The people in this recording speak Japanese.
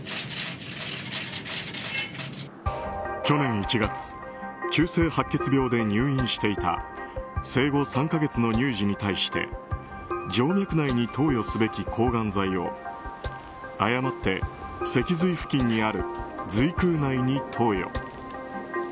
去年１月急性白血病で入院していた生後３か月の乳児に対して静脈内に投与すべき抗がん剤を誤って脊髄付近にある髄腔内に投与。